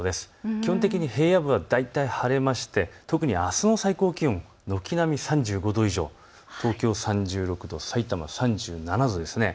基本的に平野部は大体晴れまして特にあすの最高気温、軒並み３５度以上、東京３６度、さいたま３７度ですね。